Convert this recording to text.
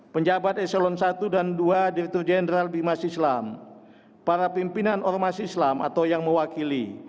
penjabat eselon i dan dua direktur jenderal bimas islam para pimpinan ormas islam atau yang mewakili